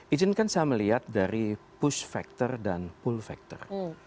izinkan saya melihat dari push factor dan pull factor